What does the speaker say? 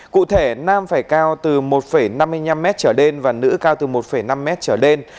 cụ thể nam phải cao từ một năm mươi năm m trở lên và nữ cao từ một năm m trở lên